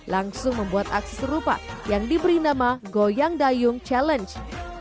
langsung membuat aksi serupa yang diberi nama goyang dayung challenge